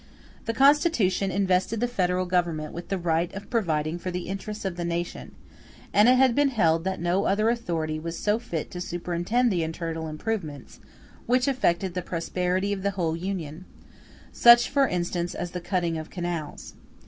The Constitution invested the Federal Government with the right of providing for the interests of the nation; and it had been held that no other authority was so fit to superintend the "internal improvements" which affected the prosperity of the whole Union; such, for instance, as the cutting of canals.